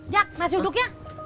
jak masih duduknya